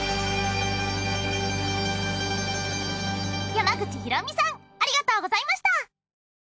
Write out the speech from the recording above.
山口ひろみさんありがとうございました。